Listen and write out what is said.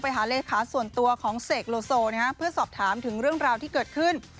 หาเลขาส่วนตัวของเสกโลโซนะฮะเพื่อสอบถามถึงเรื่องราวที่เกิดขึ้น